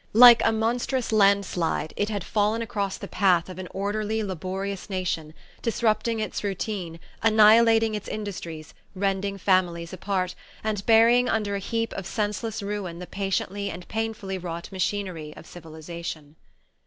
Like a monstrous landslide it had fallen across the path of an orderly laborious nation, disrupting its routine, annihilating its industries, rending families apart, and burying under a heap of senseless ruin the patiently and painfully wrought machinery of civilization...